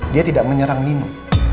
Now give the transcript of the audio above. dia tidak menyerang nino